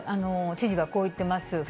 知事は、こう言っています。